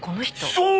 そう！